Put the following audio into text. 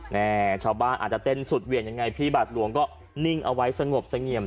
แม่ชาวบ้านอาจจะเต้นสุดเหวี่ยงยังไงพี่บาทหลวงก็นิ่งเอาไว้สงบเสงี่ยม